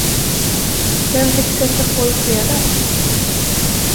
Vem fick sätta på i fredags?